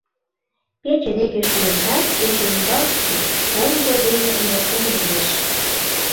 Пече деке шуэшат, пече ӱмбак оҥжо дене эҥертен возеш.